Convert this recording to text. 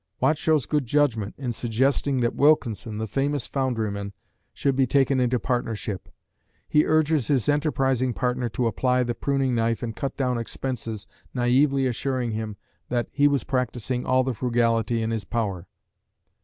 Watt shows good judgment in suggesting that Wilkinson, the famous foundryman, should be taken into partnership. He urges his enterprising partner to apply the pruning knife and cut down expenses naively assuring him that "he was practising all the frugality in his power."